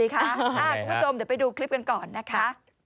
คุณผู้ชมเดี๋ยวไปดูคลิปกันก่อนนะคะ